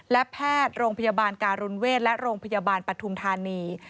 และแพทย์โรงพยาบาลการุณเวศและโรงพยาบาลปฐุมธานี